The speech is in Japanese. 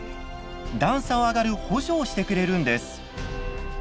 段差を上がる補助をしてくれるんです。